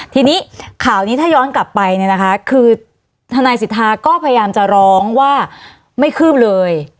ทีนี้ข่าวนี้ถ้าย้อนกลับไปเนี่ยนะคะคือทนายสิทธาก็พยายามจะร้องว่าไม่คืบเลย